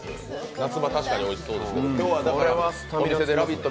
夏場、確かにおいしそうですけど、お店で「ラヴィット！」